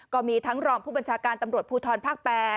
ก็มีทั้งรองผู้บัญชาการตำรวจภูทรภาค๘